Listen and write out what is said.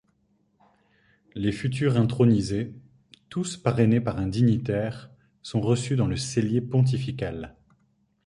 Les futurs intronisés, tous parrainés par un dignitaire, sont reçus dans le cellier pontifical.